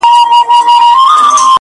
چي در رسېږم نه نو څه وکړم ه ياره